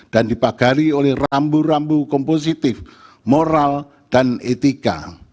dan dipakari oleh rambu rambu kompositif moral dan etika